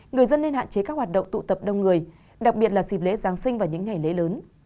người dân nên hạn chế các hoạt động tụ tập đông người đặc biệt là dịp lễ giáng sinh và những ngày lễ lớn